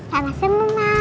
sama sama emak